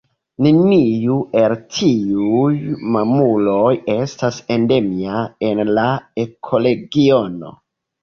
Neniu el tiuj mamuloj estas endemia en la ekoregiono.